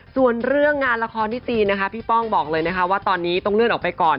ส่วนเรื่องงานละครที่จีนนะคะพี่ป้องบอกเลยนะคะว่าตอนนี้ต้องเลื่อนออกไปก่อน